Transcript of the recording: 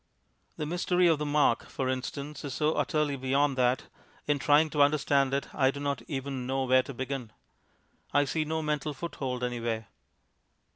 The mystery of the mark, for instance, is so utterly beyond that, in trying to understand it, I do not even know where to begin. I see no mental foothold anywhere.